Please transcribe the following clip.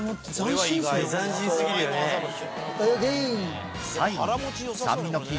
はい。